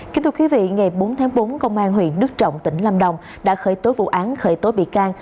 kính thưa quý vị ngày bốn tháng bốn công an huyện nước trọng tỉnh lâm đồng đã khởi tối vụ án khởi tối bị can